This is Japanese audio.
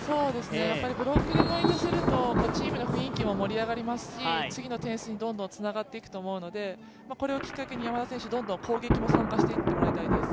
ブロックでポイントするとチームの雰囲気も盛り上がりますし次の点数にどんどんつながっていくと思うので、これをきっかけに山田選手、攻撃も参加していってもらいたいです。